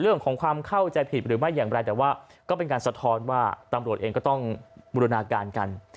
เรื่องของความเข้าใจผิดหรือไม่อย่างไรแต่ว่าก็เป็นการสะท้อนว่าตำรวจเองก็ต้องบูรณาการกัน